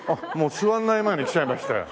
座らない前に来ちゃいましたよ。